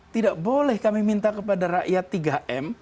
tidak boleh kami minta kepada rakyat tiga m